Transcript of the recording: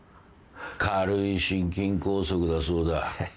軽い心筋梗塞だそうだ。